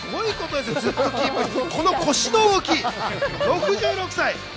この腰の動き、６６歳。